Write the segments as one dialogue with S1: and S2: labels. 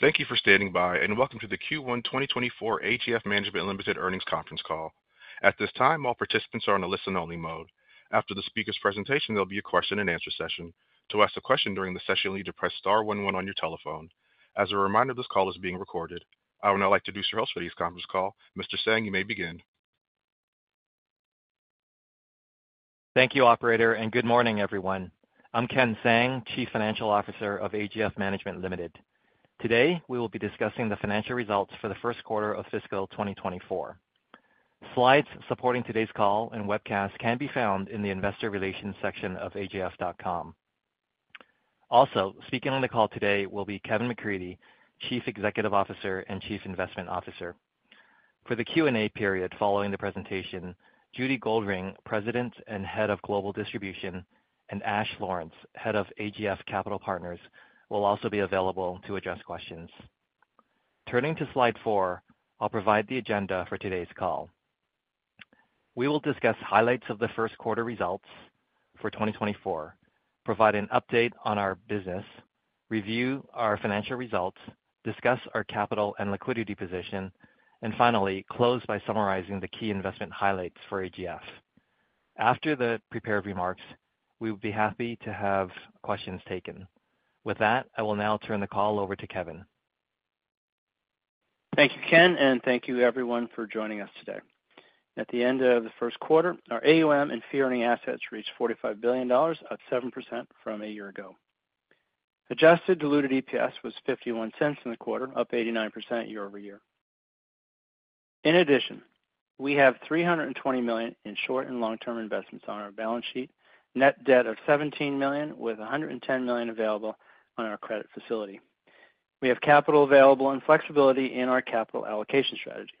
S1: Thank you for standing by, and welcome to the Q1 2024 AGF Management Limited Earnings Conference Call. At this time, all participants are on a listen-only mode. After the speaker's presentation, there'll be a question-and-answer session. To ask a question during the session, you'll need to press star one one on your telephone. As a reminder, this call is being recorded. I would now like to introduce, for today's conference call, Mr. Tsang. You may begin.
S2: Thank you, operator, and good morning, everyone. I'm Ken Tsang, Chief Financial Officer of AGF Management Limited. Today, we will be discussing the financial results for the first quarter of fiscal 2024. Slides supporting today's call and webcast can be found in the investor relations section of agf.com. Also speaking on the call today will be Kevin McCreadie, Chief Executive Officer and Chief Investment Officer. For the Q&A period following the presentation, Judy Goldring, President and Head of Global Distribution, and Ash Lawrence, Head of AGF Capital Partners, will also be available to address questions. Turning to slide 4, I'll provide the agenda for today's call. We will discuss highlights of the first quarter results for 2024, provide an update on our business, review our financial results, discuss our capital and liquidity position, and finally, close by summarizing the key investment highlights for AGF. After the prepared remarks, we will be happy to have questions taken. With that, I will now turn the call over to Kevin.
S3: Thank you, Ken, and thank you everyone for joining us today. At the end of the first quarter, our AUM and fee-earning assets reached 45 billion dollars, up 7% from a year ago. Adjusted diluted EPS was 0.51 in the quarter, up 89% year-over-year. In addition, we have 320 million in short and long-term investments on our balance sheet, net debt of 17 million, with 110 million available on our credit facility. We have capital available and flexibility in our capital allocation strategy.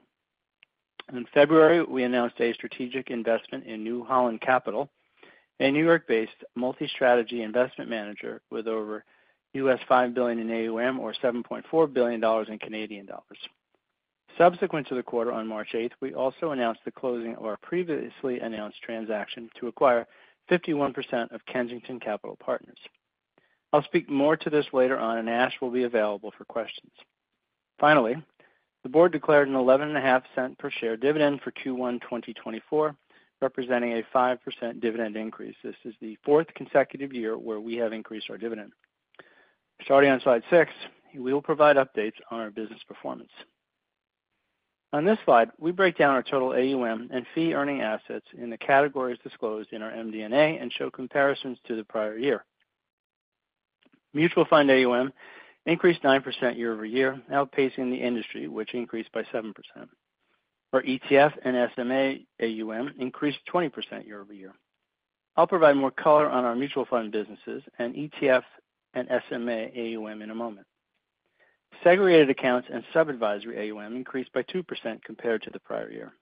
S3: In February, we announced a strategic investment in New Holland Capital, a New York-based multi-strategy investment manager with over $5 billion in AUM or 7.4 billion dollars in Canadian dollars. Subsequent to the quarter, on March 8, we also announced the closing of our previously announced transaction to acquire 51% of Kensington Capital Partners. I'll speak more to this later on, and Ash will be available for questions. Finally, the board declared a 0.115 per share dividend for Q1 2024, representing a 5% dividend increase. This is the fourth consecutive year where we have increased our dividend. Starting on slide 6, we will provide updates on our business performance. On this slide, we break down our total AUM and fee-earning assets in the categories disclosed in our MD&A and show comparisons to the prior year. Mutual fund AUM increased 9% year-over-year, outpacing the industry, which increased by 7%. Our ETF and SMA AUM increased 20% year-over-year. I'll provide more color on our mutual fund businesses and ETF and SMA AUM in a moment. Segregated accounts and sub-advisory AUM increased by 2% compared to the prior year.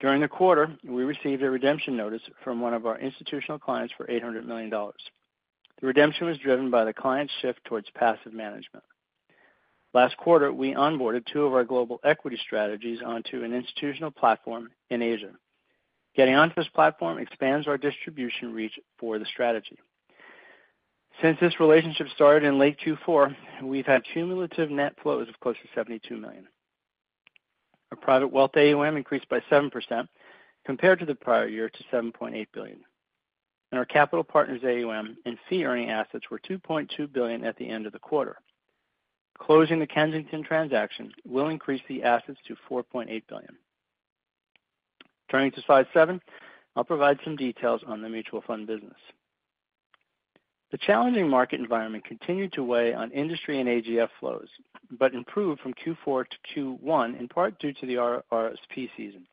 S3: During the quarter, we received a redemption notice from one of our institutional clients for 800 million dollars. The redemption was driven by the client's shift towards passive management. Last quarter, we onboarded two of our global equity strategies onto an institutional platform in Asia. Getting onto this platform expands our distribution reach for the strategy. Since this relationship started in late Q4, we've had cumulative net flows of close to 72 million. Our private wealth AUM increased by 7% compared to the prior year to 7.8 billion, and our Capital Partners AUM and fee-earning assets were 2.2 billion at the end of the quarter. Closing the Kensington transaction will increase the assets to 4.8 billion. Turning to slide 7, I'll provide some details on the mutual fund business. The challenging market environment continued to weigh on industry and AGF flows, but improved from Q4 to Q1, in part due to the RRSP season.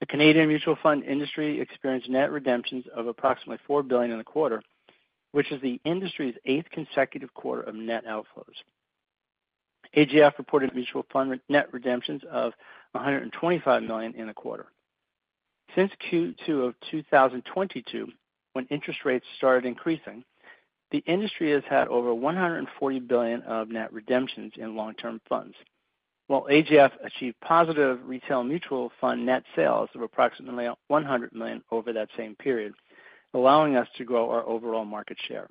S3: The Canadian mutual fund industry experienced net redemptions of approximately 4 billion in the quarter, which is the industry's eighth consecutive quarter of net outflows. AGF reported mutual fund net redemptions of 125 million in the quarter. Since Q2 of 2022, when interest rates started increasing, the industry has had over 140 billion of net redemptions in long-term funds, while AGF achieved positive retail mutual fund net sales of approximately 100 million over that same period, allowing us to grow our overall market share.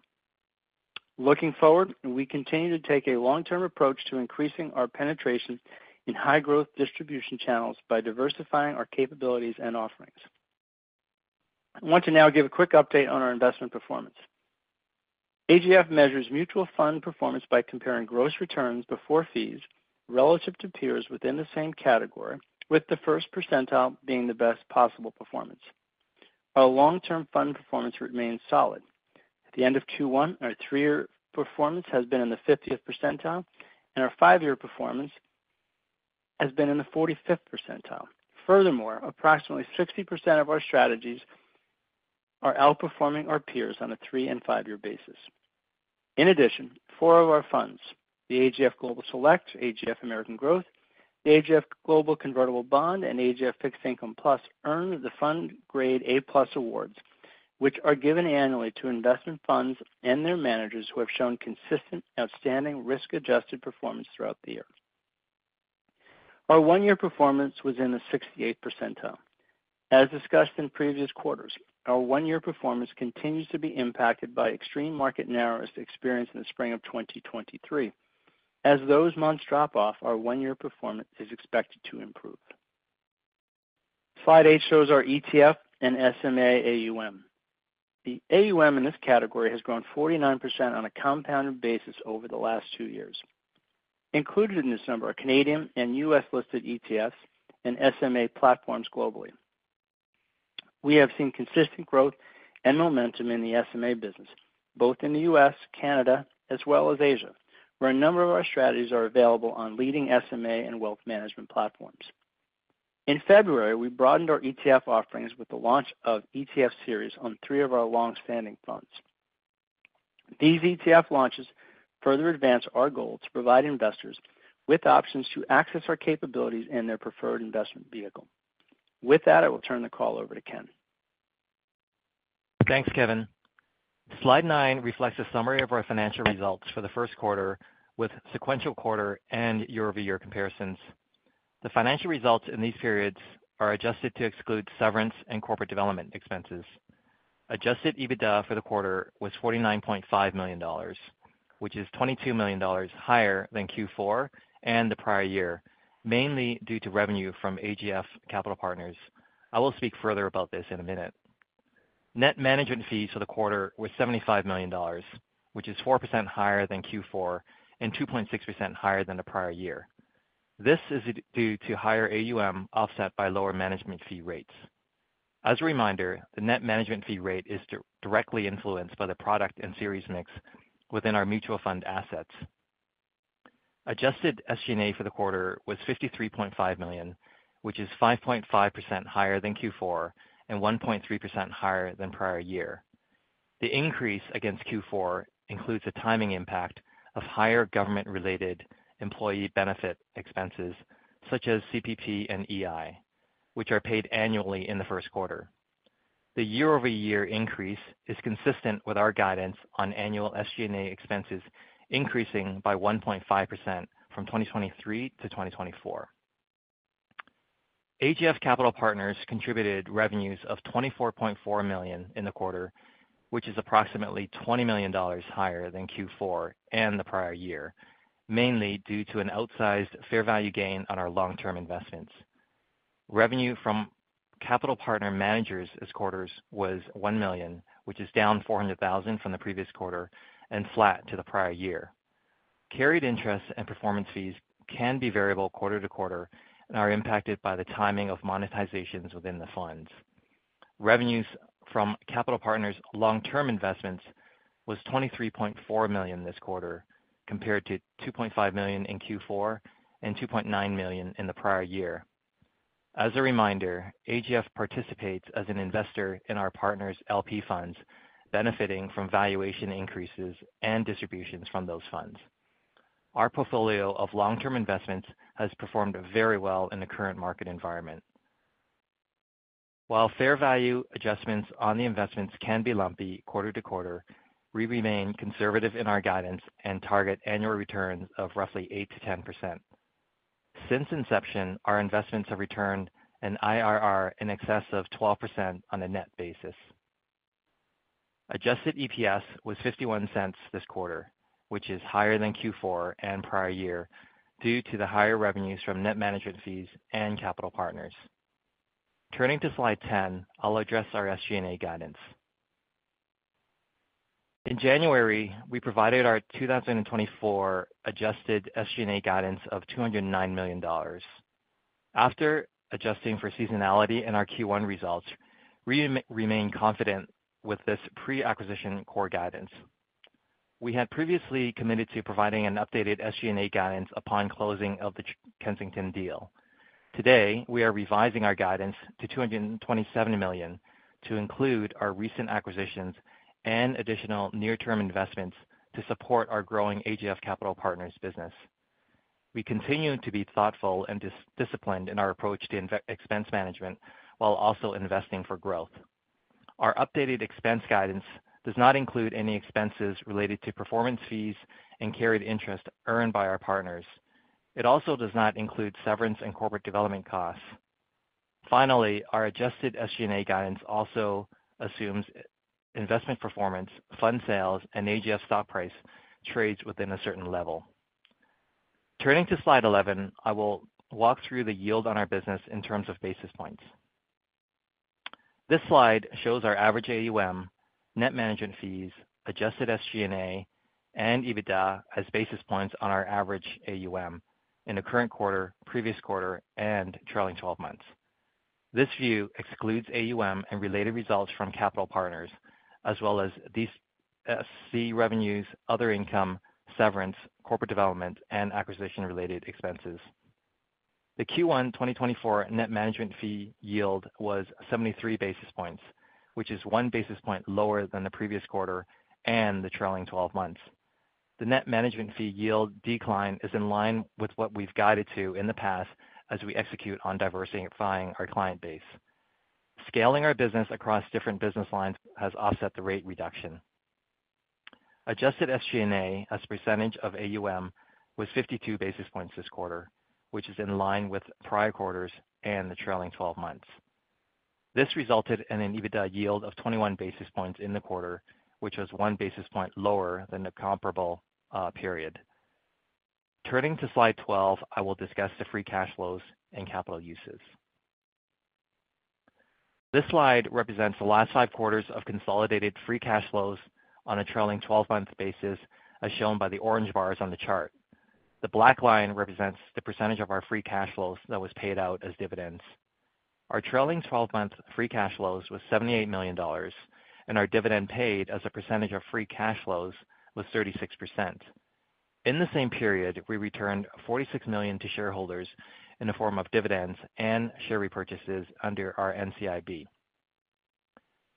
S3: Looking forward, we continue to take a long-term approach to increasing our penetration in high-growth distribution channels by diversifying our capabilities and offerings. I want to now give a quick update on our investment performance. AGF measures mutual fund performance by comparing gross returns before fees relative to peers within the same category, with the first percentile being the best possible performance. Our long-term fund performance remains solid. At the end of Q1, our three-year performance has been in the 50th percentile, and our five-year performance has been in the 45th percentile. Furthermore, approximately 60% of our strategies are outperforming our peers on a three- and five-year basis. In addition, four of our funds, the AGF Global Select, AGF American Growth, the AGF Global Convertible Bond, and AGF Fixed Income Plus, earned the FundGrade A+ Awards, which are given annually to investment funds and their managers who have shown consistent, outstanding, risk-adjusted performance throughout the year. Our one-year performance was in the 68th percentile. As discussed in previous quarters, our one-year performance continues to be impacted by extreme market narrowness experienced in the spring of 2023. As those months drop off, our one-year performance is expected to improve. Slide eight shows our ETF and SMA AUM. The AUM in this category has grown 49% on a compounded basis over the last two years. Included in this number are Canadian and U.S.-listed ETFs and SMA platforms globally. We have seen consistent growth and momentum in the SMA business, both in the U.S., Canada, as well as Asia, where a number of our strategies are available on leading SMA and wealth management platforms. In February, we broadened our ETF offerings with the launch of ETF series on three of our long-standing funds. These ETF launches further advance our goal to provide investors with options to access our capabilities in their preferred investment vehicle. With that, I will turn the call over to Ken.
S2: Thanks, Kevin. Slide nine reflects a summary of our financial results for the first quarter with sequential quarter and year-over-year comparisons. The financial results in these periods are adjusted to exclude severance and corporate development expenses. Adjusted EBITDA for the quarter was 49.5 million dollars, which is 22 million dollars higher than Q4 and the prior year, mainly due to revenue from AGF Capital Partners. I will speak further about this in a minute. Net management fees for the quarter was 75 million dollars, which is 4% higher than Q4 and 2.6% higher than the prior year. This is due to higher AUM, offset by lower management fee rates. As a reminder, the net management fee rate is directly influenced by the product and series mix within our mutual fund assets. Adjusted SG&A for the quarter was 53.5 million, which is 5.5% higher than Q4 and 1.3% higher than prior year. The increase against Q4 includes a timing impact of higher government-related employee benefit expenses, such as CPP and EI, which are paid annually in the first quarter. The year-over-year increase is consistent with our guidance on annual SG&A expenses, increasing by 1.5% from 2023 to 2024. AGF Capital Partners contributed revenues of 24.4 million in the quarter, which is approximately 20 million dollars higher than Q4 and the prior year, mainly due to an outsized fair value gain on our long-term investments. Revenue from Capital Partner managers this quarter's was 1 million, which is down 400,000 from the previous quarter and flat to the prior year. Carried interest and performance fees can be variable quarter to quarter and are impacted by the timing of monetizations within the funds. Revenues from Capital Partners' long-term investments was 23.4 million this quarter, compared to 2.5 million in Q4 and 2.9 million in the prior year. As a reminder, AGF participates as an investor in our partner's LP funds, benefiting from valuation increases and distributions from those funds. Our portfolio of long-term investments has performed very well in the current market environment. While fair value adjustments on the investments can be lumpy quarter to quarter, we remain conservative in our guidance and target annual returns of roughly 8%-10%. Since inception, our investments have returned an IRR in excess of 12% on a net basis. Adjusted EPS was 0.51 this quarter, which is higher than Q4 and prior year, due to the higher revenues from net management fees and Capital Partners. Turning to slide 10, I'll address our SG&A guidance. In January, we provided our 2024 adjusted SG&A guidance of 209 million dollars. After adjusting for seasonality in our Q1 results, we remain confident with this pre-acquisition core guidance. We had previously committed to providing an updated SG&A guidance upon closing of the Kensington deal. Today, we are revising our guidance to 227 million to include our recent acquisitions and additional near-term investments to support our growing AGF Capital Partners business. We continue to be thoughtful and disciplined in our approach to expense management while also investing for growth. Our updated expense guidance does not include any expenses related to performance fees and carried interest earned by our partners. It also does not include severance and corporate development costs. Finally, our adjusted SG&A guidance also assumes investment performance, fund sales, and AGF stock price trades within a certain level. Turning to slide 11, I will walk through the yield on our business in terms of basis points. This slide shows our average AUM, net management fees, adjusted SG&A, and EBITDA as basis points on our average AUM in the current quarter, previous quarter, and trailing twelve months. This view excludes AUM and related results from Capital Partners, as well as DSC revenues, other income, severance, corporate development, and acquisition-related expenses. The Q1 2024 net management fee yield was 73 basis points, which is 1 basis point lower than the previous quarter and the trailing twelve months. The net management fee yield decline is in line with what we've guided to in the past as we execute on diversifying our client base. Scaling our business across different business lines has offset the rate reduction. Adjusted SG&A as a percentage of AUM was 52 basis points this quarter, which is in line with prior quarters and the trailing twelve months. This resulted in an EBITDA yield of 21 basis points in the quarter, which was 1 basis point lower than the comparable period. Turning to Slide 12, I will discuss the free cash flows and capital uses. This slide represents the last five quarters of consolidated free cash flows on a trailing twelve-month basis, as shown by the orange bars on the chart. The black line represents the percentage of our free cash flows that was paid out as dividends. Our trailing twelve-month free cash flows was 78 million dollars, and our dividend paid as a percentage of free cash flows was 36%. In the same period, we returned 46 million to shareholders in the form of dividends and share repurchases under our NCIB.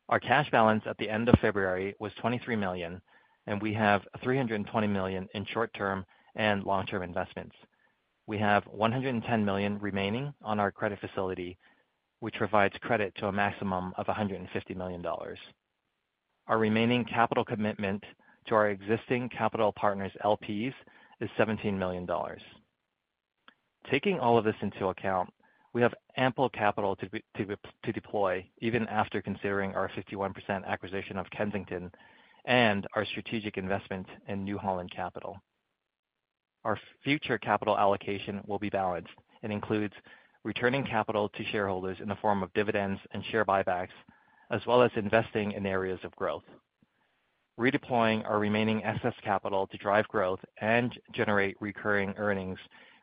S2: Our cash balance at the end of February was 23 million, and we have 320 million in short-term and long-term investments. We have 110 million remaining on our credit facility, which provides credit to a maximum of 150 million dollars. Our remaining capital commitment to our existing Capital Partners LPs is 17 million dollars. Taking all of this into account, we have ample capital to deploy, even after considering our 51% acquisition of Kensington and our strategic investment in New Holland Capital. Our future capital allocation will be balanced and includes returning capital to shareholders in the form of dividends and share buybacks, as well as investing in areas of growth. Redeploying our remaining excess capital to drive growth and generate recurring earnings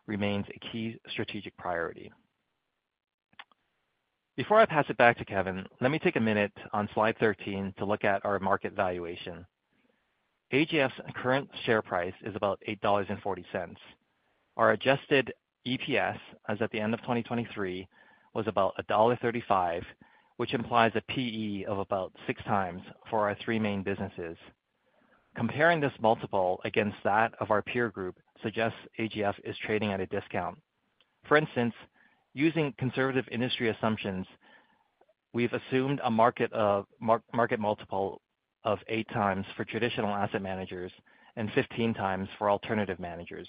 S2: remains a key strategic priority. Before I pass it back to Kevin, let me take a minute on Slide 13 to look at our market valuation. AGF's current share price is about 8.40 dollars. Our adjusted EPS, as at the end of 2023, was about dollar 1.35, which implies a PE of about 6x for our three main businesses. Comparing this multiple against that of our peer group suggests AGF is trading at a discount. For instance, using conservative industry assumptions, we've assumed a market multiple of 8x for traditional asset managers and 15x for alternative managers.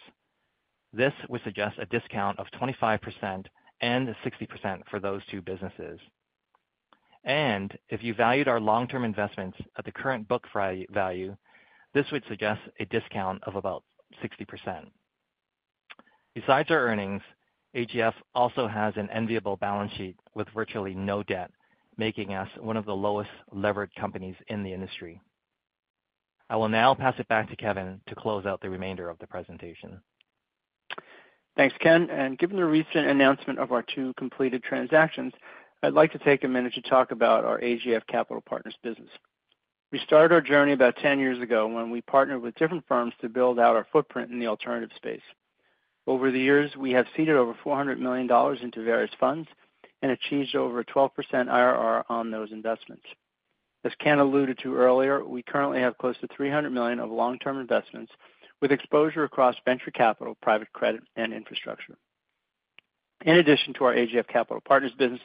S2: This would suggest a discount of 25% and 60% for those two businesses. If you valued our long-term investments at the current book value, this would suggest a discount of about 60%. Besides our earnings, AGF also has an enviable balance sheet with virtually no debt, making us one of the lowest-leveraged companies in the industry. I will now pass it back to Kevin to close out the remainder of the presentation.
S3: Thanks, Ken. Given the recent announcement of our two completed transactions, I'd like to take a minute to talk about our AGF Capital Partners business. We started our journey about 10 years ago, when we partnered with different firms to build out our footprint in the alternative space. Over the years, we have seeded over 400 million dollars into various funds and achieved over a 12% IRR on those investments. As Ken alluded to earlier, we currently have close to 300 million of long-term investments, with exposure across venture capital, private credit, and infrastructure. In addition to our AGF Capital Partners business,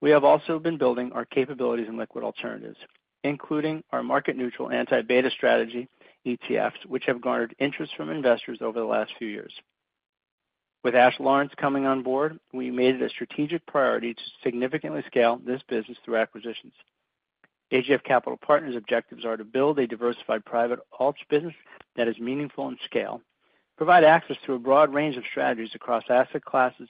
S3: we have also been building our capabilities in liquid alternatives, including our market-neutral Anti-Beta strategy, ETFs, which have garnered interest from investors over the last few years. With Ash Lawrence coming on board, we made it a strategic priority to significantly scale this business through acquisitions. AGF Capital Partners' objectives are to build a diversified private alts business that is meaningful in scale, provide access to a broad range of strategies across asset classes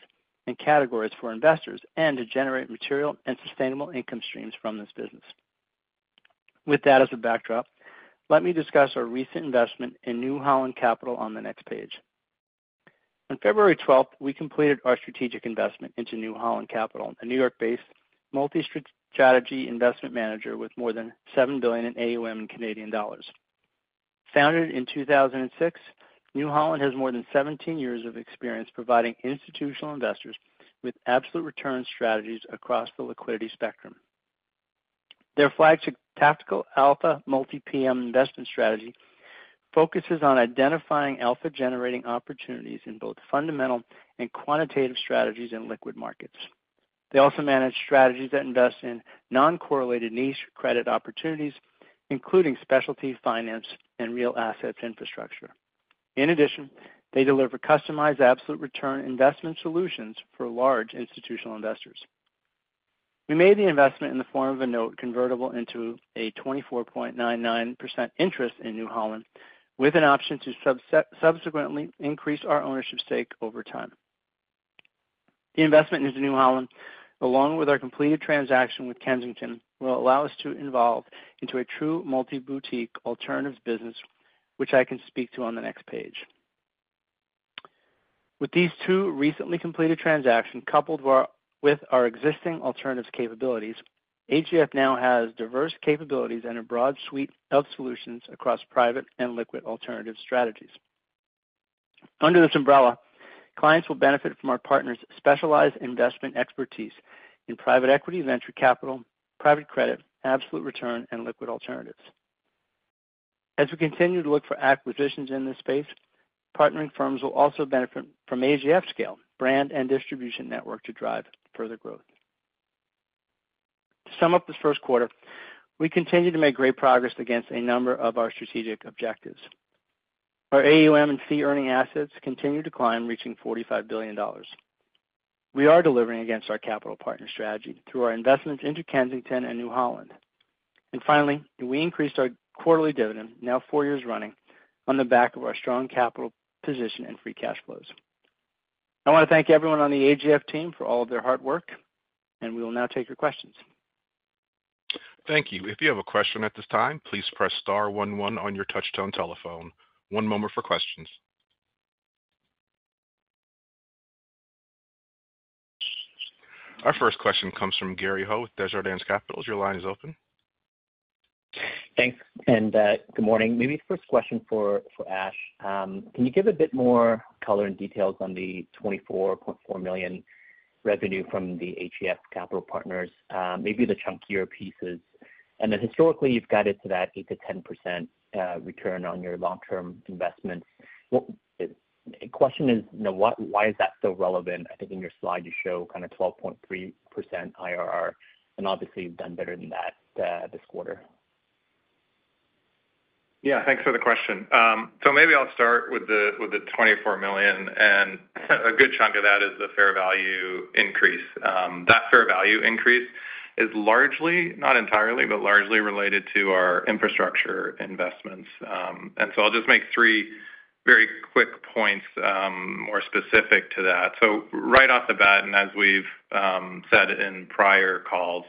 S3: and categories for investors, and to generate material and sustainable income streams from this business. With that as a backdrop, let me discuss our recent investment in New Holland Capital on the next page. On February twelfth, we completed our strategic investment into New Holland Capital, a New York-based multi-strategy investment manager with more than 7 billion in AUM in Canadian dollars. Founded in 2006, New Holland has more than 17 years of experience providing institutional investors with absolute return strategies across the liquidity spectrum. Their flagship Tactical Alpha Multi-PM investment strategy focuses on identifying alpha-generating opportunities in both fundamental and quantitative strategies in liquid markets. They also manage strategies that invest in non-correlated niche credit opportunities, including specialty finance and real assets infrastructure. In addition, they deliver customized absolute return investment solutions for large institutional investors. We made the investment in the form of a note convertible into a 24.99% interest in New Holland, with an option to subsequently increase our ownership stake over time. The investment into New Holland, along with our completed transaction with Kensington, will allow us to evolve into a true multi-boutique alternatives business, which I can speak to on the next page. With these two recently completed transactions, coupled with our existing alternatives capabilities, AGF now has diverse capabilities and a broad suite of solutions across private and liquid alternative strategies. Under this umbrella, clients will benefit from our partners' specialized investment expertise in private equity, venture capital, private credit, absolute return, and liquid alternatives. As we continue to look for acquisitions in this space, partnering firms will also benefit from AGF's scale, brand, and distribution network to drive further growth. To sum up this first quarter, we continue to make great progress against a number of our strategic objectives. Our AUM and fee-earning assets continue to climb, reaching 45 billion dollars. We are delivering against our Capital Partner strategy through our investments into Kensington and New Holland. Finally, we increased our quarterly dividend, now four years running, on the back of our strong capital position and free cash flows. I want to thank everyone on the AGF team for all of their hard work, and we will now take your questions.
S1: Thank you. If you have a question at this time, please press star one one on your touchtone telephone. One moment for questions. Our first question comes from Gary Ho with Desjardins Capital. Your line is open.
S4: Thanks, and good morning. Maybe first question for Ash. Can you give a bit more color and details on the 24.4 million revenue from the AGF Capital Partners, maybe the chunkier pieces? And then historically, you've guided to that 8%-10% return on your long-term investments. The question is, you know, why is that still relevant? I think in your slide, you show kind of 12.3% IRR, and obviously, you've done better than that, this quarter.
S5: Yeah, thanks for the question. So maybe I'll start with the twenty-four million, and a good chunk of that is the fair value increase. That fair value increase is largely, not entirely, but largely related to our infrastructure investments. So I'll just make three very quick points, more specific to that. So right off the bat, and as we've said in prior calls,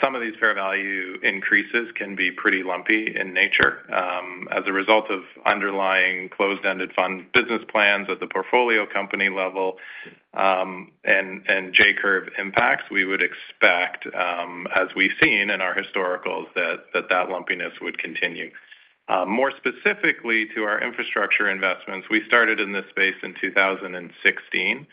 S5: some of these fair value increases can be pretty lumpy in nature, as a result of underlying closed-ended funds, business plans at the portfolio company level, and J-curve impacts. We would expect, as we've seen in our historicals, that lumpiness would continue. More specifically to our infrastructure investments, we started in this space in 2016.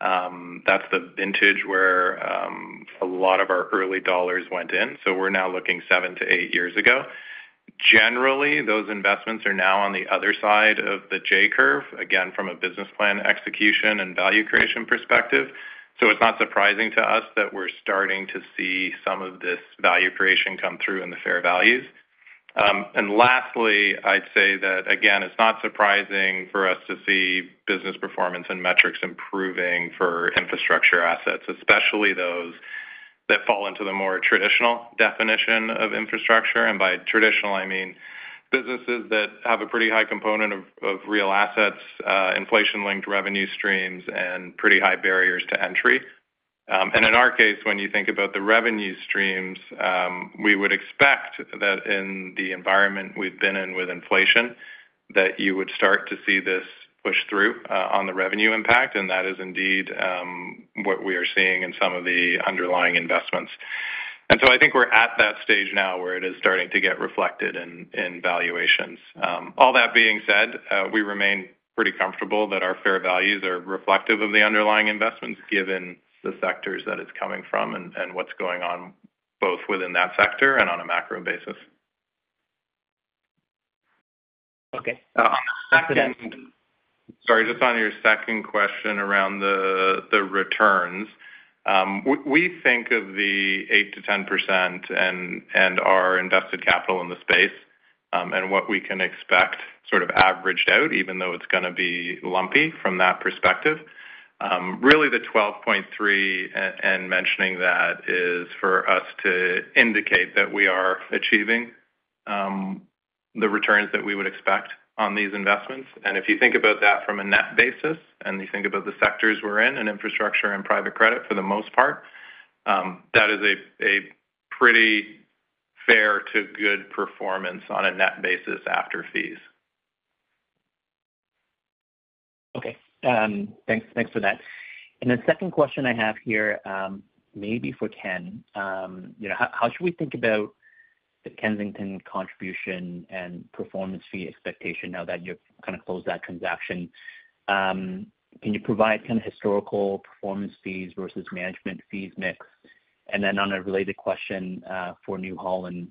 S5: That's the vintage where a lot of our early dollars went in, so we're now looking 7-8 years ago. Generally, those investments are now on the other side of the J-curve, again, from a business plan, execution, and value creation perspective. So it's not surprising to us that we're starting to see some of this value creation come through in the fair values. And lastly, I'd say that, again, it's not surprising for us to see business performance and metrics improving for infrastructure assets, especially those that fall into the more traditional definition of infrastructure. And by traditional, I mean businesses that have a pretty high component of real assets, inflation-linked revenue streams, and pretty high barriers to entry. And in our case, when you think about the revenue streams, we would expect that in the environment we've been in with inflation, that you would start to see this push through, on the revenue impact, and that is indeed what we are seeing in some of the underlying investments. And so I think we're at that stage now where it is starting to get reflected in, in valuations. All that being said, we remain pretty comfortable that our fair values are reflective of the underlying investments, given the sectors that it's coming from and, and what's going on, both within that sector and on a macro basis.
S4: Okay.
S5: On the second-
S4: Thanks again.
S5: Sorry, just on your second question around the returns. We think of the 8%-10% and our invested capital in the space, and what we can expect sort of averaged out, even though it's gonna be lumpy from that perspective. Really, the 12.3, and mentioning that, is for us to indicate that we are achieving the returns that we would expect on these investments. And if you think about that from a net basis, and you think about the sectors we're in, in infrastructure and private credit for the most part, that is a pretty fair to good performance on a net basis after fees.
S4: Okay. Thanks, thanks for that. And the second question I have here, maybe for Ken. You know, how, how should we think about the Kensington contribution and performance fee expectation now that you've kind of closed that transaction? Can you provide kind of historical performance fees versus management fees mix? And then on a related question, for New Holland,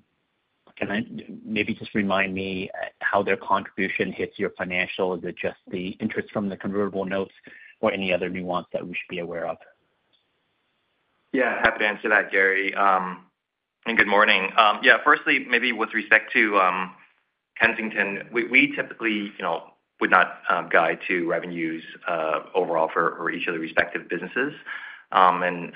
S4: can I-- maybe just remind me, how their contribution hits your financial? Is it just the interest from the convertible notes or any other nuance that we should be aware of?
S2: Yeah, happy to answer that, Gary, and good morning. Yeah, firstly, maybe with respect to, Kensington, we typically, you know, would not guide to revenues, overall for each of the respective businesses. And,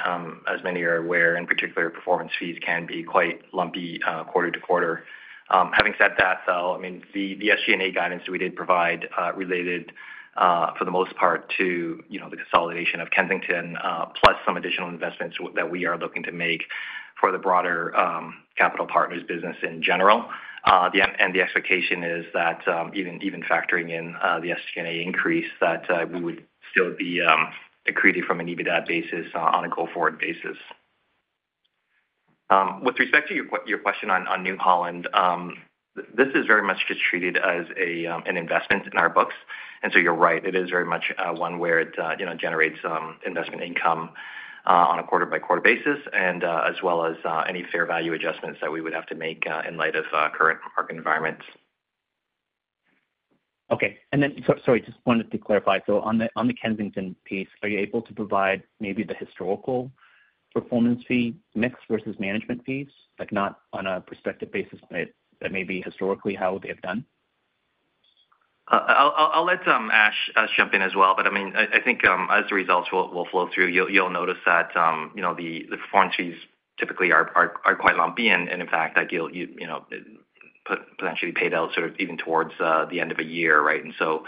S2: as many are aware, in particular, performance fees can be quite lumpy, quarter to quarter. Having said that, though, I mean, the SG&A guidance we did provide, related, for the most part, to, you know, the consolidation of Kensington, plus some additional investments that we are looking to make for the broader, Capital Partners business in general. The expectation is that, even factoring in, the SG&A increase, that, we would still be, accretive from an EBITDA basis, on a go-forward basis. With respect to your question on New Holland, this is very much just treated as an investment in our books. And so you're right, it is very much one where it you know generates investment income on a quarter-by-quarter basis, and as well as any fair value adjustments that we would have to make in light of current market environments.
S4: Okay. Sorry, just wanted to clarify. So on the Kensington piece, are you able to provide maybe the historical performance fee mix versus management fees, like, not on a prospective basis, but that may be historically how they have done?
S2: I'll let Ash jump in as well. But I mean, I think, as the results will flow through, you'll notice that, you know, the performance fees typically are quite lumpy. And in fact, that deal, you know, potentially paid out sort of even towards the end of a year, right? And so,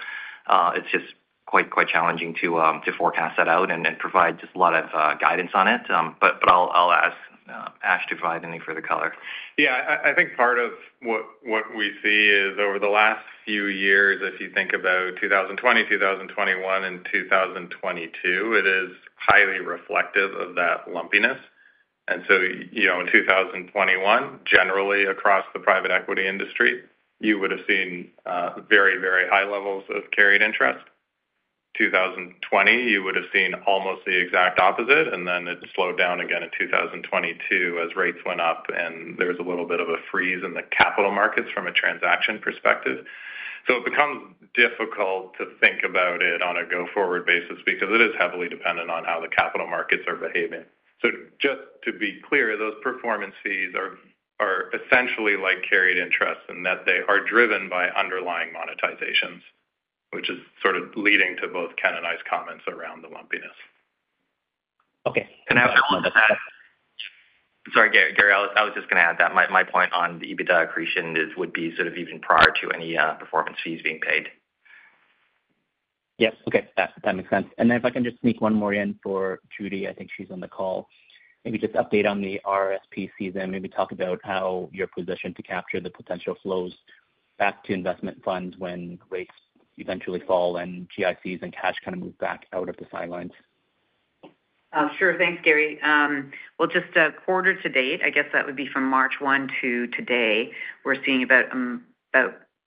S2: it's just quite challenging to forecast that out and provide just a lot of guidance on it. But I'll ask Ash to provide any further color.
S5: Yeah, I think part of what we see is over the last few years, if you think about 2020, 2021, and 2022, it is highly reflective of that lumpiness. And so, you know, in 2021, generally across the private equity industry, you would have seen very, very high levels of carried interest. 2020, you would have seen almost the exact opposite, and then it slowed down again in 2022 as rates went up, and there was a little bit of a freeze in the capital markets from a transaction perspective. So it becomes difficult to think about it on a go-forward basis because it is heavily dependent on how the capital markets are behaving. Just to be clear, those performance fees are essentially like carried interest, and that they are driven by underlying monetizations, which is sort of leading to both Ken and I's comments around the lumpiness.
S4: Okay.
S2: Can I add to that? Sorry, Gary, I was just gonna add that my point on the EBITDA accretion is, would be sort of even prior to any performance fees being paid.
S4: Yes. Okay, that, that makes sense. And then if I can just sneak one more in for Judy, I think she's on the call. Maybe just update on the RSP season. Maybe talk about how you're positioned to capture the potential flows back to investment funds when rates eventually fall and GICs and cash kind of move back out of the sidelines.
S6: Sure. Thanks, Gary. Well, just a quarter to date, I guess that would be from March 1 to today, we're seeing about...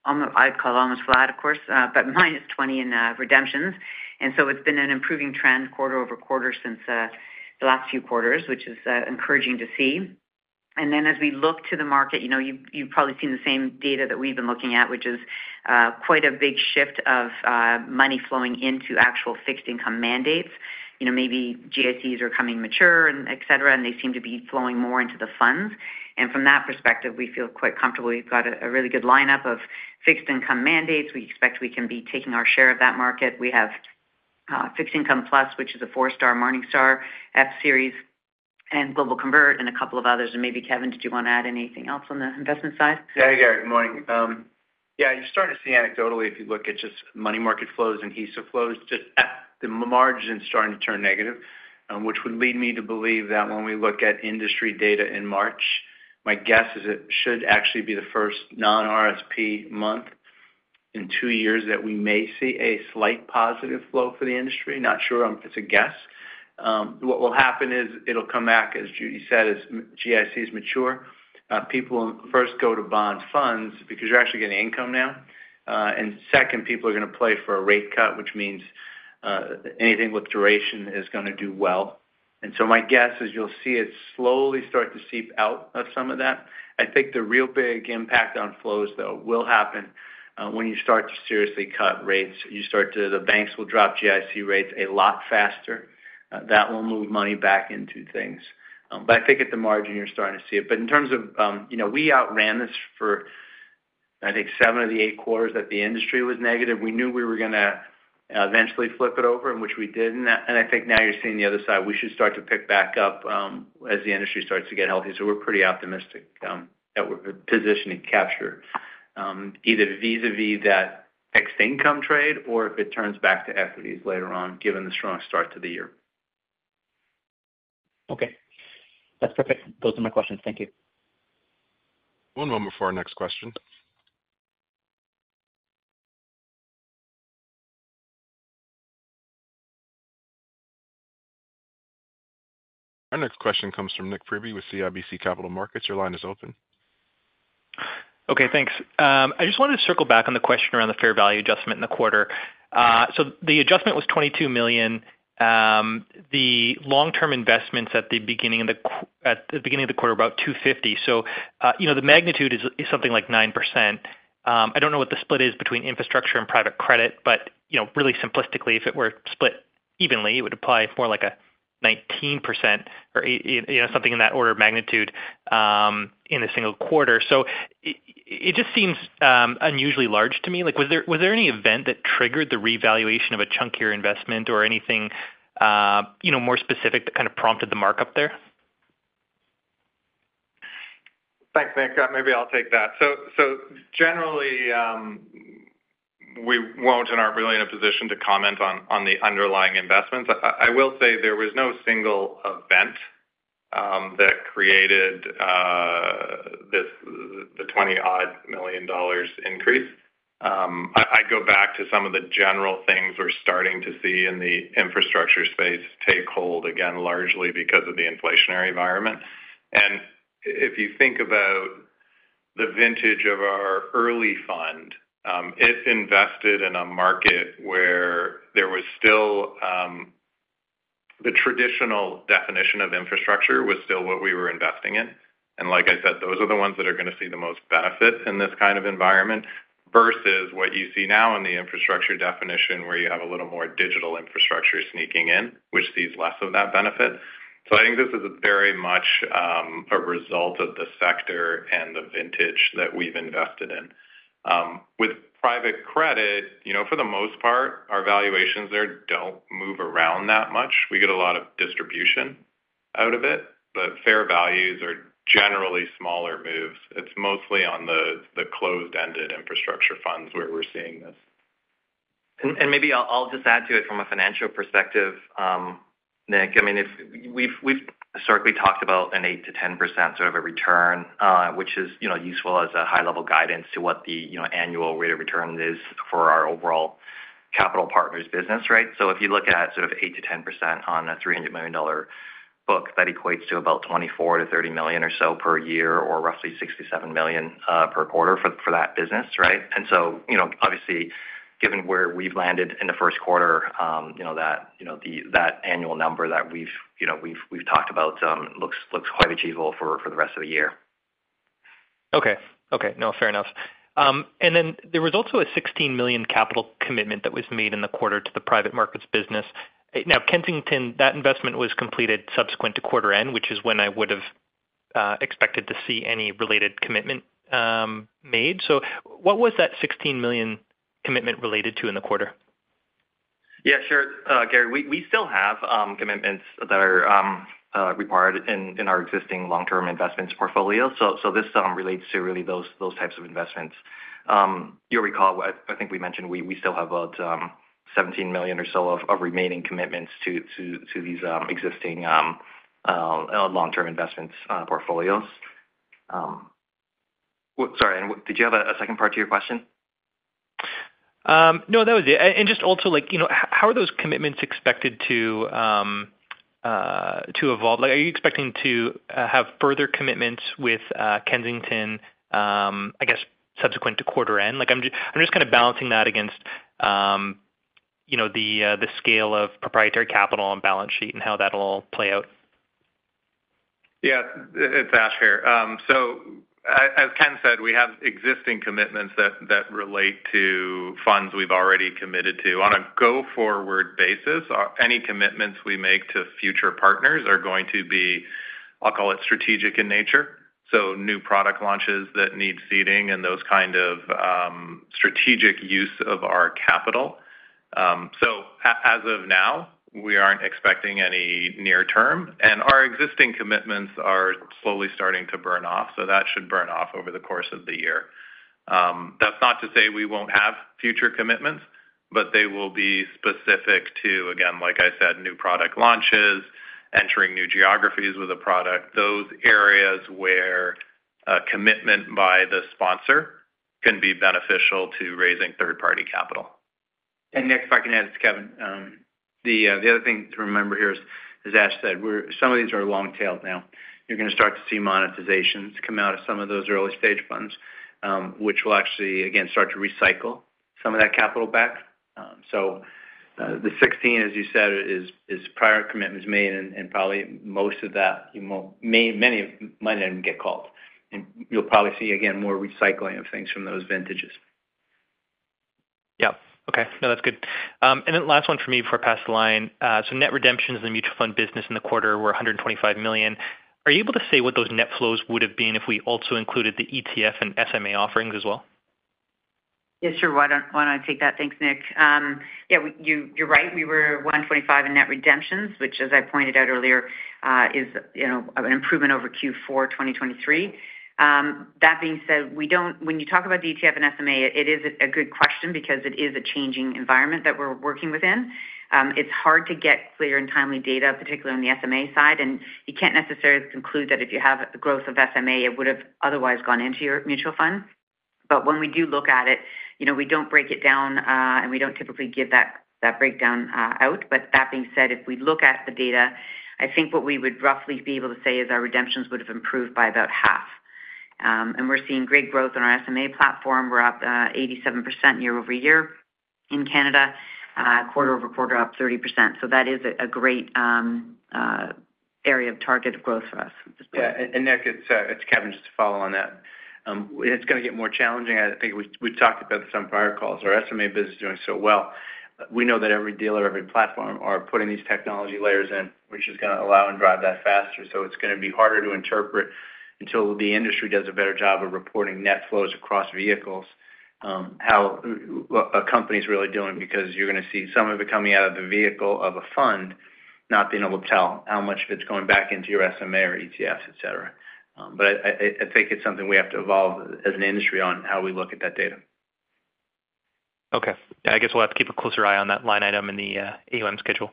S6: I'd call almost flat, of course, but -20 in redemptions. So it's been an improving trend quarter-over-quarter since the last few quarters, which is encouraging to see. And then as we look to the market, you know, you've probably seen the same data that we've been looking at, which is quite a big shift of money flowing into actual fixed income mandates. You know, maybe GICs are coming mature and et cetera, and they seem to be flowing more into the funds. And from that perspective, we feel quite comfortable. We've got a really good lineup of fixed income mandates. We expect we can be taking our share of that market. We have Fixed Income Plus, which is a four-star Morningstar F series and Global Convert and a couple of others. And maybe, Kevin, did you want to add anything else on the investment side?
S3: Yeah, Gary, good morning. Yeah, you're starting to see anecdotally, if you look at just money market flows and HISA flows, just at the margin starting to turn negative, which would lead me to believe that when we look at industry data in March, my guess is it should actually be the first non-RRSP month in two years, that we may see a slight positive flow for the industry. Not sure, it's a guess. What will happen is it'll come back, as Judy said, as GICs mature. People will first go to bond funds because you're actually getting income now. And second, people are gonna play for a rate cut, which means, anything with duration is gonna do well. And so my guess is you'll see it slowly start to seep out of some of that. I think the real big impact on flows, though, will happen when you start to seriously cut rates. You start to... The banks will drop GIC rates a lot faster. That will move money back into things. But I think at the margin, you're starting to see it. But in terms of, you know, we outran this for, I think, seven of the eight quarters that the industry was negative. We knew we were gonna eventually flip it over, and which we did. And I think now you're seeing the other side. We should start to pick back up as the industry starts to get healthy. So we're pretty optimistic that we're positioning capture either vis-a-vis that fixed income trade or if it turns back to equities later on, given the strong start to the year.
S4: Okay. That's perfect. Those are my questions. Thank you.
S1: One moment for our next question. Our next question comes from Nik Priebe with CIBC Capital Markets. Your line is open.
S7: Okay, thanks. I just wanted to circle back on the question around the fair value adjustment in the quarter. So the adjustment was 22 million. The long-term investments at the beginning of the quarter, about 250 million. So, you know, the magnitude is something like 9%. I don't know what the split is between infrastructure and private credit, but, you know, really simplistically, if it were split evenly, it would apply more like a 19% or you know, something in that order of magnitude, in a single quarter. It just seems unusually large to me. Like, was there any event that triggered the revaluation of a chunkier investment or anything, you know, more specific that kind of prompted the markup there?
S5: Thanks, Nik. Maybe I'll take that. So, so generally, we won't and are really in a position to comment on, on the underlying investments. I, I, I will say there was no single event, that created, this, the 20-odd million dollars increase. I, I go back to some of the general things we're starting to see in the infrastructure space take hold, again, largely because of the inflationary environment. And if you think about the vintage of our early fund, it invested in a market where there was still, the traditional definition of infrastructure was still what we were investing in. And like I said, those are the ones that are going to see the most benefit in this kind of environment, versus what you see now in the infrastructure definition, where you have a little more digital infrastructure sneaking in, which sees less of that benefit. So I think this is very much, a result of the sector and the vintage that we've invested in. With private credit, you know, for the most part, our valuations there don't move around that much. We get a lot of distribution out of it, but fair values are generally smaller moves. It's mostly on the closed-ended infrastructure funds where we're seeing this.
S2: Maybe I'll just add to it from a financial perspective, Nik. I mean, if we've historically talked about an 8%-10% sort of a return, which is, you know, useful as a high-level guidance to what the, you know, annual rate of return is for our overall Capital Partners business, right? So if you look at sort of 8%-10% on a 300 million dollar book, that equates to about 24 million-30 million or so per year, or roughly 6-7 million per quarter for that business, right? So, you know, obviously, given where we've landed in the first quarter, you know that annual number that we've, you know, we've talked about looks quite achievable for the rest of the year.
S7: Okay. Okay, no, fair enough. And then there was also a 16 million capital commitment that was made in the quarter to the private markets business. Now, Kensington, that investment was completed subsequent to quarter end, which is when I would've expected to see any related commitment made. So what was that 16 million commitment related to in the quarter?
S2: Yeah, sure. Gary, we still have commitments that are required in our existing long-term investments portfolio. So this relates to really those types of investments. You'll recall, I think we mentioned we still have about 17 million or so of remaining commitments to these existing long-term investments portfolios. Sorry, and did you have a second part to your question?
S7: No, that was it. And just also, like, you know, how are those commitments expected to evolve? Like, are you expecting to have further commitments with Kensington, I guess, subsequent to quarter end? Like, I'm just—I'm just kind of balancing that against, you know, the scale of proprietary capital and balance sheet and how that'll all play out.
S5: Yeah, it's Ash here. So as Ken said, we have existing commitments that relate to funds we've already committed to. On a go-forward basis, any commitments we make to future partners are going to be, I'll call it, strategic in nature, so new product launches that need seeding and those kind of, strategic use of our capital. So as of now, we aren't expecting any near term, and our existing commitments are slowly starting to burn off, so that should burn off over the course of the year. That's not to say we won't have future commitments, but they will be specific to, again, like I said, new product launches, entering new geographies with a product, those areas where a commitment by the sponsor can be beneficial to raising third-party capital.
S3: Nik, if I can add, it's Kevin. The other thing to remember here, as Ash said, we're some of these are long tail now. You're going to start to see monetizations come out of some of those early-stage funds, which will actually, again, start to recycle some of that capital back. So, the 16, as you said, is prior commitments made, and probably most of that, many of them might not even get called. And you'll probably see, again, more recycling of things from those vintages.
S7: Yeah. Okay. No, that's good. And then last one for me before I pass the line. So net redemptions in the mutual fund business in the quarter were 125 million. Are you able to say what those net flows would have been if we also included the ETF and SMA offerings as well?
S6: Yeah, sure. Why don't, why don't I take that? Thanks, Nik. Yeah, we—you're right, we were 125 million in net redemptions, which, as I pointed out earlier, is, you know, an improvement over Q4 2023. That being said, we don't, when you talk about ETF and SMA, it is a, a good question because it is a changing environment that we're working within. It's hard to get clear and timely data, particularly on the SMA side, and you can't necessarily conclude that if you have growth of SMA, it would have otherwise gone into your mutual fund. But when we do look at it, you know, we don't break it down, and we don't typically give that, that breakdown out. But that being said, if we look at the data, I think what we would roughly be able to say is our redemptions would have improved by about half. And we're seeing great growth on our SMA platform. We're up 87% year-over-year in Canada, quarter-over-quarter, up 30%. So that is a great area of targeted growth for us at this point.
S3: Yeah, and Nik, it's Kevin, just to follow on that. It's going to get more challenging. I think we've talked about this on prior calls. Our SMA business is doing so well. We know that every dealer, every platform, are putting these technology layers in, which is going to allow and drive that faster. So it's going to be harder to interpret until the industry does a better job of reporting net flows across vehicles, how a company's really doing, because you're going to see some of it coming out of the vehicle of a fund, not being able to tell how much of it's going back into your SMA or ETFs, et cetera. But I think it's something we have to evolve as an industry on how we look at that data.
S7: Okay. I guess we'll have to keep a closer eye on that line item in the AUM schedule.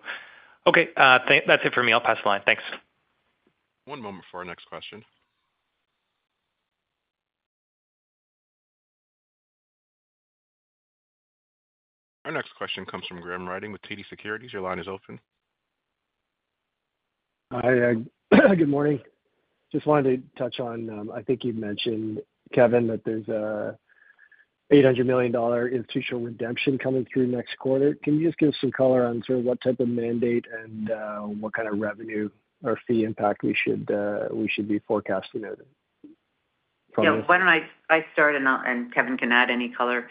S7: Okay, that's it for me. I'll pass the line. Thanks.
S1: One moment before our next question. Our next question comes from Graham Ryding with TD Securities. Your line is open.
S8: Hi, good morning. Just wanted to touch on, I think you've mentioned, Kevin, that there's a 800 million dollar institutional redemption coming through next quarter. Can you just give us some color on sort of what type of mandate and, what kind of revenue or fee impact we should, we should be forecasting out from this?
S6: Yeah, why don't I start, and I'll and Kevin can add any color.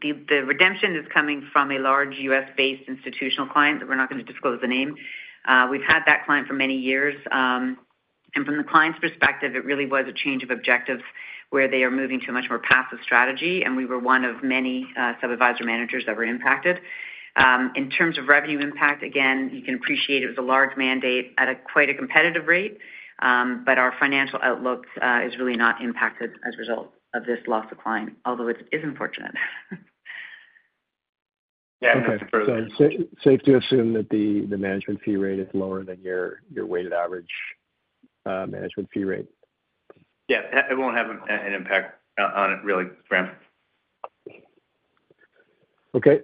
S6: The redemption is coming from a large U.S.-based institutional client, that we're not going to disclose the name. We've had that client for many years, and from the client's perspective, it really was a change of objectives, where they are moving to a much more passive strategy, and we were one of many, sub-advisor managers that were impacted. In terms of revenue impact, again, you can appreciate it was a large mandate at a quite a competitive rate. But our financial outlook is really not impacted as a result of this loss of client, although it is unfortunate.
S5: Yeah, and that's appropriate.
S8: So safe to assume that the management fee rate is lower than your weighted average management fee rate?
S5: Yeah, it won't have an impact on it, really, Graham.
S8: Okay,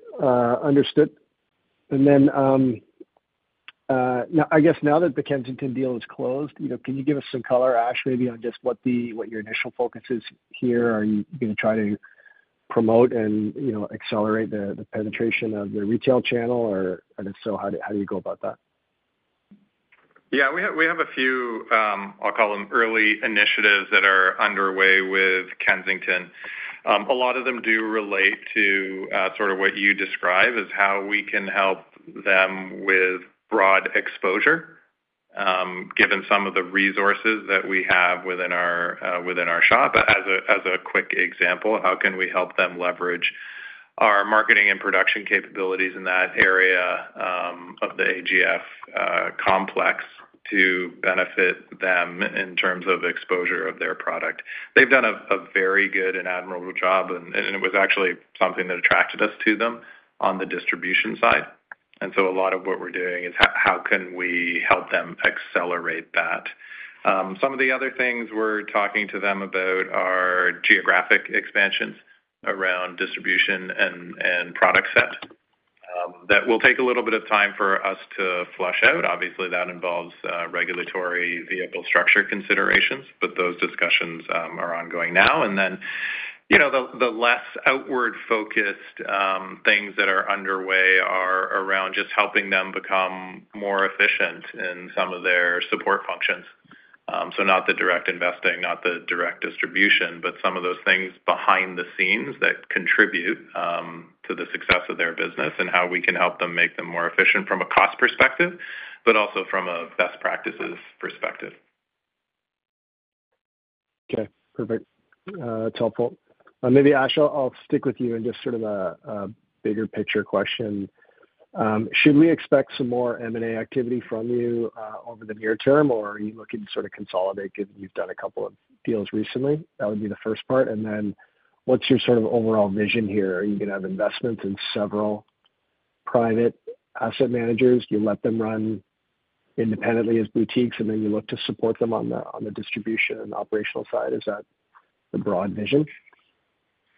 S8: understood. And then, now I guess now that the Kensington deal is closed, you know, can you give us some color, Ash, maybe on just what your initial focus is here? Are you going to try to promote and, you know, accelerate the penetration of the retail channel? Or, and if so, how do you go about that?
S5: Yeah, we have a few, I'll call them, early initiatives that are underway with Kensington. A lot of them do relate to sort of what you describe as how we can help them with broad exposure, given some of the resources that we have within our shop. As a quick example, how can we help them leverage our marketing and production capabilities in that area of the AGF complex to benefit them in terms of exposure of their product? They've done a very good and admirable job, and it was actually something that attracted us to them on the distribution side. And so a lot of what we're doing is how we can help them accelerate that? Some of the other things we're talking to them about are geographic expansions around distribution and product set. That will take a little bit of time for us to flush out. Obviously, that involves regulatory vehicle structure considerations, but those discussions are ongoing now. And then, you know, the less outward-focused things that are underway are around just helping them become more efficient in some of their support functions. So not the direct investing, not the direct distribution, but some of those things behind the scenes that contribute to the success of their business, and how we can help them make them more efficient from a cost perspective, but also from a best practices perspective.
S8: Okay, perfect. It's helpful. Maybe, Ash, I'll stick with you in just sort of a bigger picture question. Should we expect some more M&A activity from you over the near term, or are you looking to sort of consolidate, given you've done a couple of deals recently? That would be the first part. And then, what's your sort of overall vision here? Are you going to have investments in several private asset managers? Do you let them run independently as boutiques, and then you look to support them on the distribution and operational side? Is that the broad vision?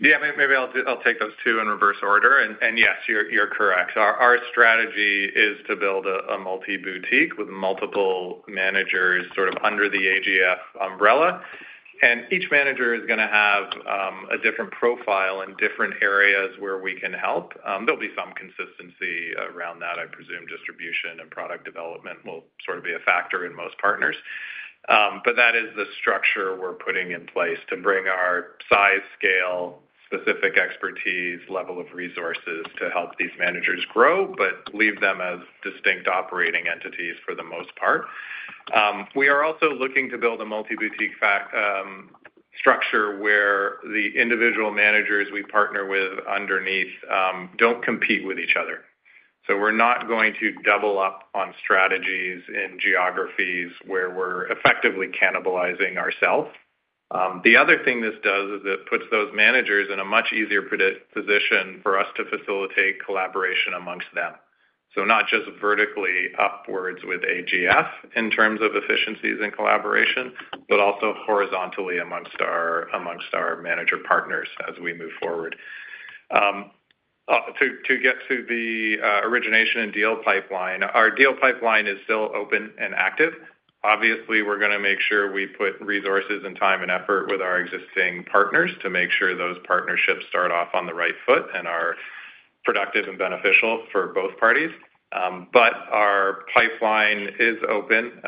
S5: Yeah, maybe I'll take those two in reverse order. Yes, you're correct. Our strategy is to build a multi-boutique with multiple managers, sort of under the AGF umbrella. And each manager is going to have a different profile in different areas where we can help. There'll be some consistency around that. I presume distribution and product development will sort of be a factor in most partners. But that is the structure we're putting in place to bring our size, scale, specific expertise, level of resources to help these managers grow, but leave them as distinct operating entities for the most part. We are also looking to build a multi-boutique structure, where the individual managers we partner with underneath don't compete with each other. So we're not going to double up on strategies in geographies where we're effectively cannibalizing ourselves. The other thing this does is it puts those managers in a much easier position for us to facilitate collaboration among them. So not just vertically upwards with AGF, in terms of efficiencies and collaboration, but also horizontally among our manager partners, as we move forward. To get to the origination and deal pipeline, our deal pipeline is still open and active. Obviously, we're going to make sure we put resources and time and effort with our existing partners to make sure those partnerships start off on the right foot and are productive and beneficial for both parties. But our pipeline is open.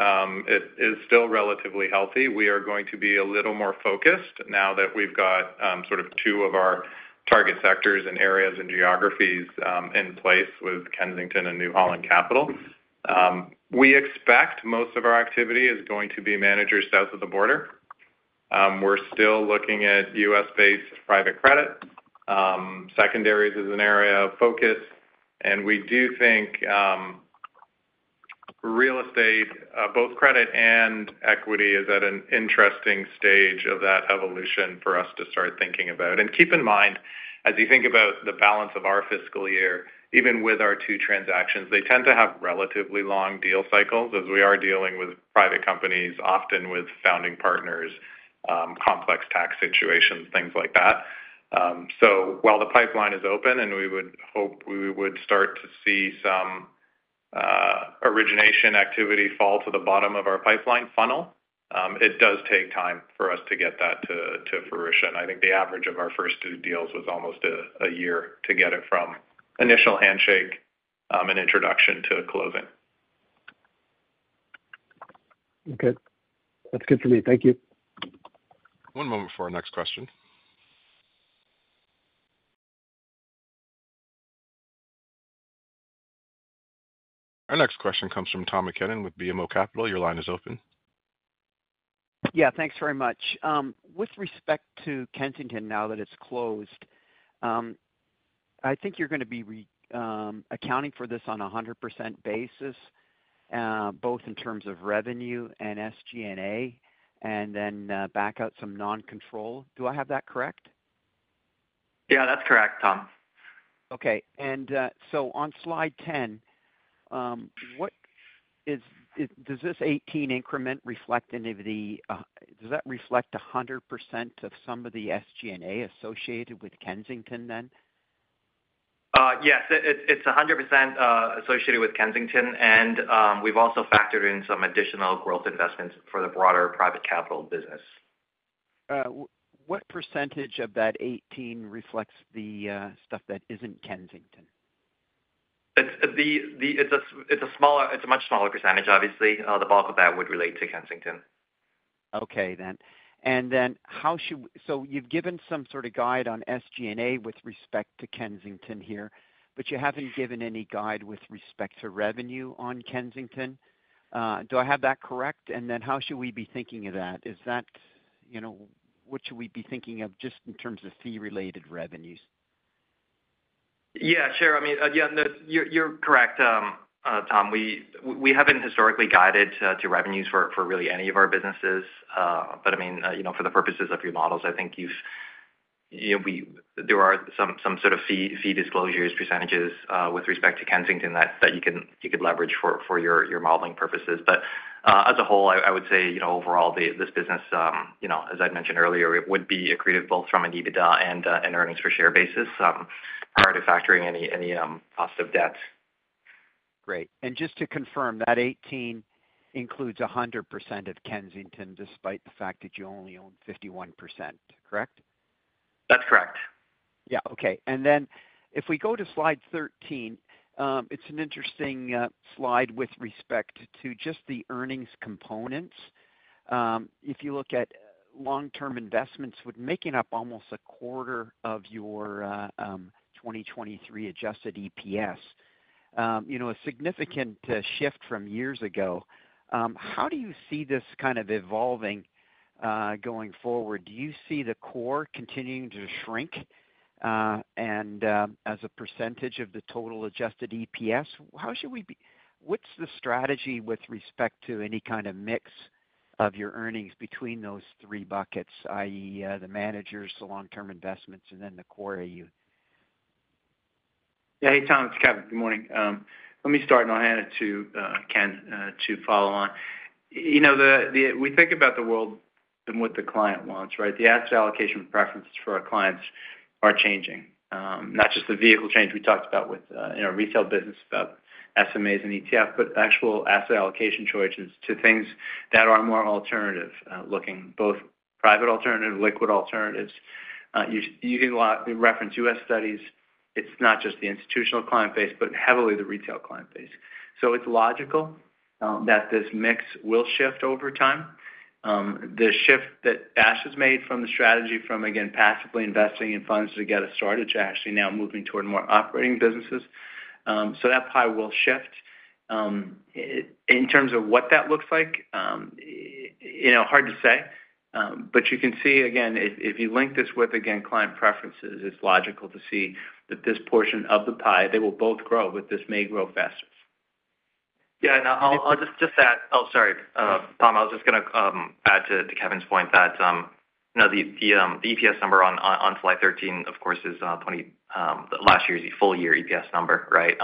S5: It is still relatively healthy. We are going to be a little more focused now that we've got sort of two of our target sectors and areas and geographies in place with Kensington and New Holland Capital. We expect most of our activity is going to be managers south of the border. We're still looking at U.S.-based private credit. Secondaries is an area of focus, and we do think real estate both credit and equity is at an interesting stage of that evolution for us to start thinking about. Keep in mind, as you think about the balance of our fiscal year, even with our two transactions, they tend to have relatively long deal cycles, as we are dealing with private companies, often with founding partners, complex tax situations, things like that. So while the pipeline is open, and we would hope we would start to see some origination activity fall to the bottom of our pipeline funnel, it does take time for us to get that to fruition. I think the average of our first two deals was almost a year to get it from initial handshake, and introduction to closing.
S8: Okay. That's good to me. Thank you.
S1: One moment for our next question. Our next question comes from Tom MacKinnon with BMO Capital. Your line is open.
S9: Yeah, thanks very much. With respect to Kensington, now that it's closed, I think you're gonna be accounting for this on a 100% basis, both in terms of revenue and SG&A, and then, back out some non-controlling. Do I have that correct?
S2: Yeah, that's correct, Tom.
S9: Okay. And so on slide 10, what does this 18 increment reflect any of the, does that reflect 100% of some of the SG&A associated with Kensington then?
S2: Yes, it's 100% associated with Kensington, and we've also factored in some additional growth investments for the broader private capital business.
S9: What percentage of that 18 reflects the stuff that isn't Kensington?
S2: It's a much smaller percentage, obviously. The bulk of that would relate to Kensington.
S9: Okay, then. And then how should we, so you've given some sort of guide on SG&A with respect to Kensington here, but you haven't given any guide with respect to revenue on Kensington. Do I have that correct? And then how should we be thinking of that? Is that, you know, what should we be thinking of just in terms of fee-related revenues?
S2: Yeah, sure. I mean, yeah, no, you're correct, Tom, we haven't historically guided to revenues for really any of our businesses. But, I mean, you know, for the purposes of your models, I think you've, you know, there are some sort of fee disclosures, percentages, with respect to Kensington that you could leverage for your modeling purposes. But, as a whole, I would say, you know, overall, this business, you know, as I'd mentioned earlier, it would be accretive, both from an EBITDA and an earnings per share basis, prior to factoring any cost of debt.
S9: Great. Just to confirm, that 18 includes 100% of Kensington, despite the fact that you only own 51%, correct?
S2: That's correct.
S9: Yeah. Okay. And then if we go to slide 13, it's an interesting slide with respect to just the earnings components. If you look at long-term investments, with making up almost a quarter of your 2023 adjusted EPS, you know, a significant shift from years ago. How do you see this kind of evolving going forward? Do you see the core continuing to shrink and as a percentage of the total adjusted EPS? How should we be-- what's the strategy with respect to any kind of mix of your earnings between those three buckets, i.e., the managers, the long-term investments, and then the core AUM?
S3: Yeah. Hey, Tom, it's Kevin. Good morning. Let me start, and I'll hand it to Ken to follow on. You know, we think about the world and what the client wants, right? The asset allocation preferences for our clients are changing. Not just the vehicle change we talked about with in our retail business about SMAs and ETF, but actual asset allocation choices to things that are more alternative, looking, both private alternative, liquid alternatives. You can reference U.S. studies. It's not just the institutional client base, but heavily the retail client base. So it's logical that this mix will shift over time. The shift that Ash has made from the strategy, from again, passively investing in funds to get us started, to actually now moving toward more operating businesses. So that pie will shift. In terms of what that looks like, you know, hard to say, but you can see again, if you link this with, again, client preferences, it's logical to see that this portion of the pie, they will both grow, but this may grow faster.
S2: Yeah, and I'll just add. Oh, sorry. Tom, I was just gonna add to Kevin's point that, you know, the EPS number on slide 13, of course, is 20, last year's full year EPS number, right?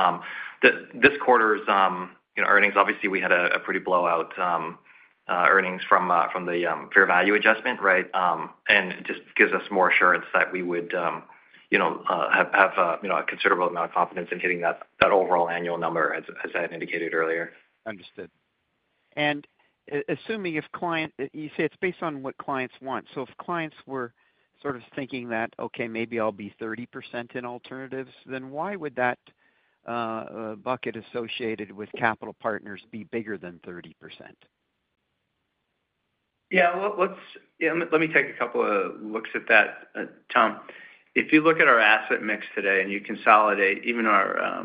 S2: This quarter's, you know, earnings, obviously, we had a pretty blowout earnings from the fair value adjustment, right? And just gives us more assurance that we would, you know, have a considerable amount of confidence in hitting that overall annual number, as I had indicated earlier.
S9: Understood. Assuming if you say it's based on what clients want, so if clients were sort of thinking that, okay, maybe I'll be 30% in alternatives, then why would that bucket associated with Capital Partners be bigger than 30%?
S3: Yeah, well, let's... Yeah, let me take a couple of looks at that, Tom. If you look at our asset mix today, and you consolidate even our,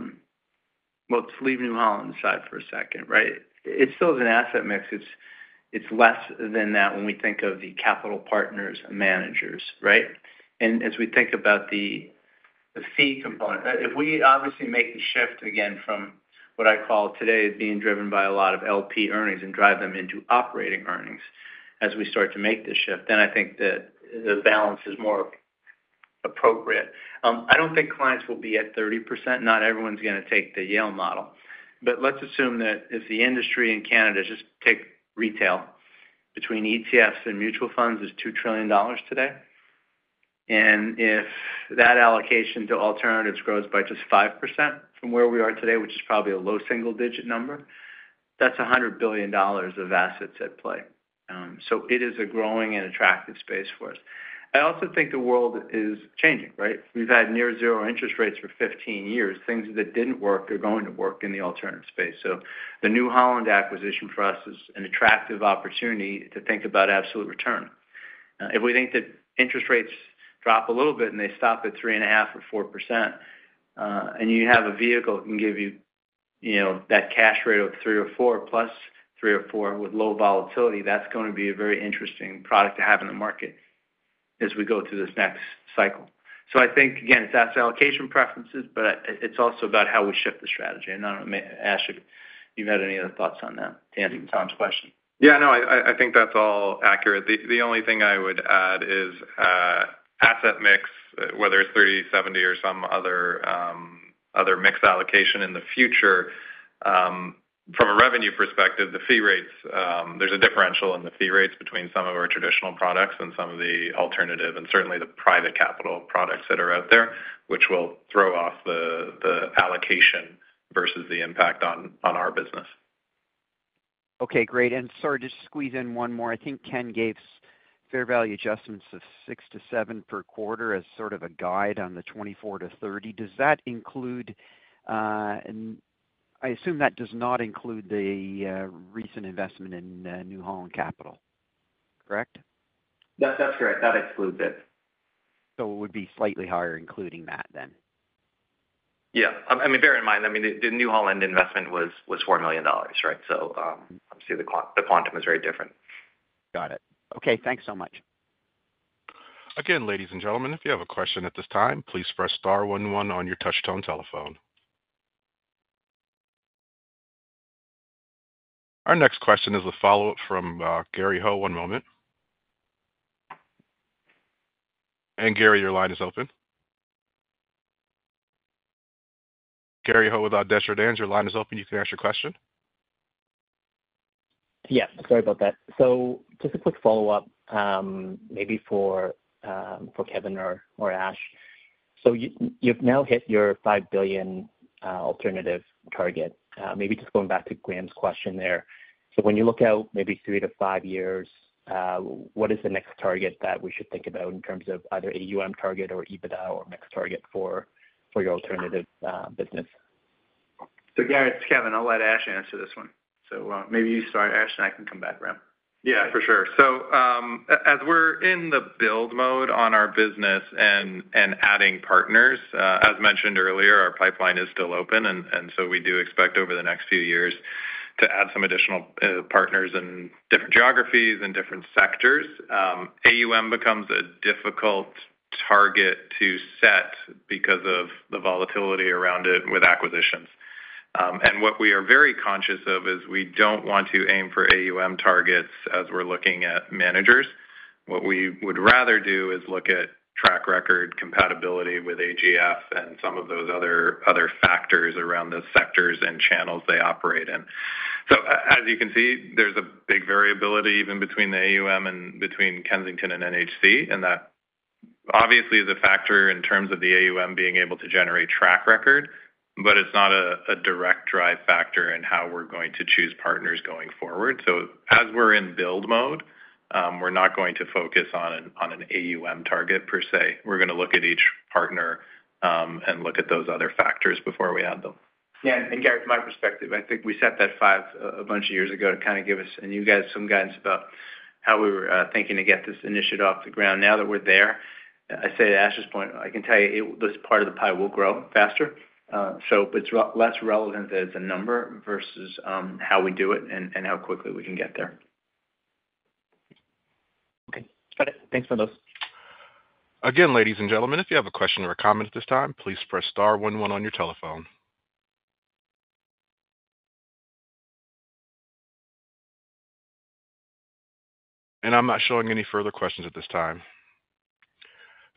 S3: well, let's leave New Holland aside for a second, right? It's, it's less than that when we think of the Capital Partners and managers, right? And as we think about the, the fee component, if we obviously make the shift again from what I call today, being driven by a lot of LP earnings and drive them into operating earnings as we start to make this shift, then I think the, the balance is more appropriate. I don't think clients will be at 30%. Not everyone's gonna take the Yale model. But let's assume that if the industry in Canada, just take retail, between ETFs and mutual funds is $2 trillion today. And if that allocation to alternatives grows by just 5% from where we are today, which is probably a low single-digit number, that's $100 billion of assets at play. So it is a growing and attractive space for us. I also think the world is changing, right? We've had near zero interest rates for 15 years. Things that didn't work are going to work in the alternative space. So the New Holland acquisition for us is an attractive opportunity to think about absolute return. If we think that interest rates drop a little bit, and they stop at 3.5% or 4%, and you have a vehicle that can give you, you know, that cash rate of 3% or 4%+. 3% or 4% with low volatility, that's going to be a very interesting product to have in the market as we go through this next cycle. So I think, again, it's asset allocation preferences, but it's also about how we shift the strategy. And I don't know, Ash, if you've had any other thoughts on that, to answer Tom's question.
S5: Yeah, no, I think that's all accurate. The only thing I would add is, asset mix, whether it's 30/70 or some other mix allocation in the future, from a revenue perspective, the fee rates, there's a differential in the fee rates between some of our traditional products and some of the alternative, and certainly the private capital products that are out there, which will throw off the allocation versus the impact on our business.
S9: Okay, great. And sorry, just squeeze in one more. I think Ken gave fair value adjustments of 6-7 per quarter as sort of a guide on the 24-30. Does that include... I assume that does not include the, recent investment in, New Holland Capital, correct?
S3: That's correct. That excludes it.
S9: So it would be slightly higher, including that, then?
S3: Yeah. I mean, bear in mind, I mean, the New Holland investment was $4 million, right? So, obviously, the quantum is very different.
S9: Got it. Okay, thanks so much.
S1: Again, ladies and gentlemen, if you have a question at this time, please press star one one on your touchtone telephone. Our next question is a follow-up from Gary Ho. One moment. And Gary, your line is open. Gary Ho with Desjardins, your line is open. You can ask your question.
S4: Yeah, sorry about that. So just a quick follow-up, maybe for Kevin or Ash. So you've now hit your 5 billion alternative target. Maybe just going back to Graham's question there. So when you look out maybe three to five years, what is the next target that we should think about in terms of either AUM target or EBITDA or next target for your alternative business?
S3: So Gary, it's Kevin. I'll let Ash answer this one. So, maybe you start, Ash, and I can come back around.
S5: Yeah, for sure. So, as we're in the build mode on our business and adding partners, as mentioned earlier, our pipeline is still open, and so we do expect over the next few years to add some additional partners in different geographies and different sectors. AUM becomes a difficult target to set because of the volatility around it with acquisitions. And what we are very conscious of is we don't want to aim for AUM targets as we're looking at managers. What we would rather do is look at track record compatibility with AGF and some of those other factors around the sectors and channels they operate in. So as you can see, there's a big variability even between the AUM and between Kensington and NHC, and that obviously is a factor in terms of the AUM being able to generate track record, but it's not a direct drive factor in how we're going to choose partners going forward. So as we're in build mode, we're not going to focus on an AUM target per se. We're going to look at each partner, and look at those other factors before we add them.
S3: Yeah, and Gary, from my perspective, I think we set that five a, a bunch of years ago to kind of give us and you guys some guidance about how we were thinking to get this initiative off the ground. Now that we're there, I say to Ash's point, I can tell you, this part of the pie will grow faster, so it's less relevant as a number versus, how we do it and, and how quickly we can get there.
S4: Okay. Got it. Thanks for those.
S1: Again, ladies and gentlemen, if you have a question or a comment at this time, please press star one one on your telephone. I'm not showing any further questions at this time.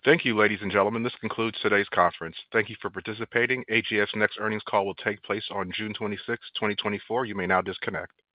S1: Thank you, ladies and gentlemen. This concludes today's conference. Thank you for participating. AGF's next earnings call will take place on June 26th, 2024. You may now disconnect.